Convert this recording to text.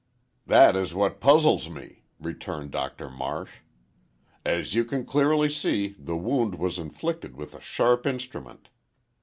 "That is what puzzles me," returned Doctor Marsh. "As you can clearly see the wound was inflicted with a sharp instrument.